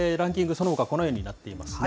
そのほか、このようになっていますね。